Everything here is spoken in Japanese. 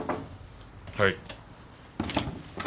はい。